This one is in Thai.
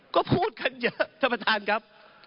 ก็พูดกันเยอะท่านประธานครับ